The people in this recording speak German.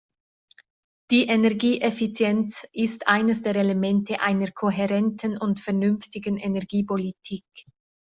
Die Energieeffizienz ist eines der Elemente einer kohärenten und vernünftigen Energiepolitik.